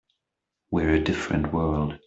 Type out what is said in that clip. We're a different world.